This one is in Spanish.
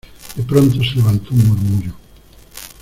de pronto se levantó un murmullo: